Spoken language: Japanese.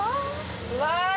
うわ！